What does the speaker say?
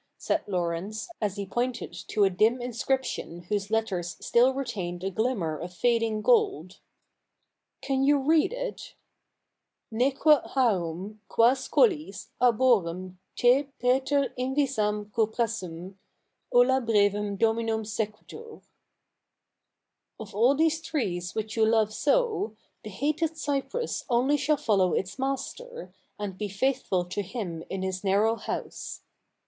' said Laurence, as he pointed to a dim inscription whose letters still retained a glimmer of fading gold ; 'can you read it? Neque harum, quas C(jlis, arbcnum Te, prKter invisam cupressum, Ulla bievem doniinum scquetur. " Of all these trees which you love so, the hated cypress only shall follow its master, and be faithful to him in his narrow house."